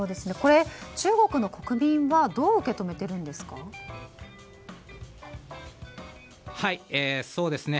中国の国民はどう受け止めているんですか。